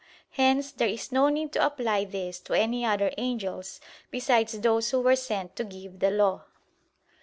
Hence there is no need to apply this to any other angels besides those who were sent to give the law.